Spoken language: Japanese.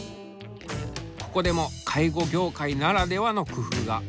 ここでも介護業界ならではの工夫が。